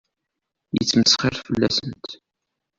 Yettmesxiṛ fell-asent.